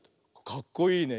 かっこいいね。